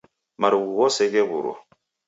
Marughu ghose ghewurwa